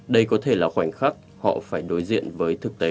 đây có thể là khoảnh khắc họ phải đối diện với thực tế